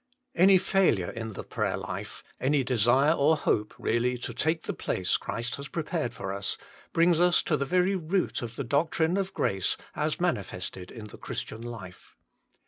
Any failure in the prayer life, any desire INTRODUCTION 5 or hope really to take the place Christ has prepared for us, brings us to the very root of the doctrine of grace as manifested in the Christian life.